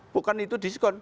bukan itu diskon